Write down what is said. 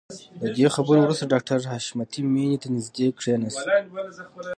له دې خبرو وروسته ډاکټر حشمتي مينې ته نږدې کښېناست.